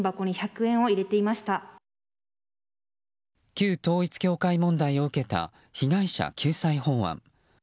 旧統一教会問題を受けた被害者救済法案。